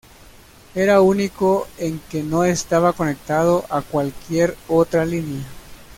Era único en que no estaba conectado a cualquier otra línea.